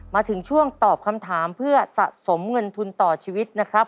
มาถึงช่วงตอบคำถามเพื่อสะสมเงินทุนต่อชีวิตนะครับ